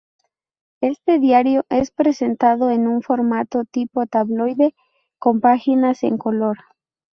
Este diario es presentado en un formato tipo tabloide con páginas en color.